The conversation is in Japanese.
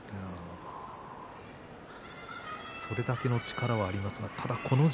それだけの力はあります。